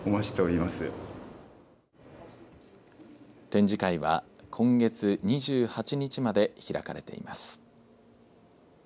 展示会は今月２８日まで開かれています。